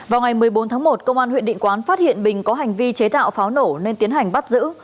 vào ngày một mươi bốn tháng một công an huyện định quán phát hiện bình có hành vi chế tạo pháo nổ nên tiến hành bắt giữ